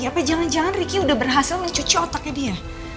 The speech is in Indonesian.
apa jangan jangan ricky udah berhasil mencuci otaknya dia